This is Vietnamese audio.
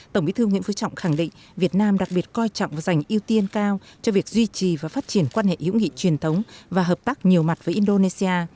tổng bí thư nguyễn phú trọng khẳng định việt nam đặc biệt coi trọng và dành ưu tiên cao cho việc duy trì và phát triển quan hệ hữu nghị truyền thống và hợp tác nhiều mặt với indonesia